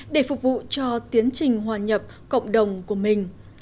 để phục vụ cho tiến trình hòa nhập cộng đồng của mình